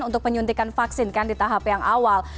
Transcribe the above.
untuk penyuntikan vaksin kan di tahap yang awal